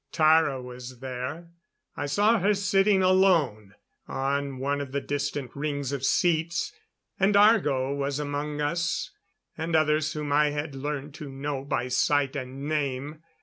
Tara was there; I saw her sitting alone on one of the distant rings of seats. And Argo was among us and others whom I had learned to know by sight and name.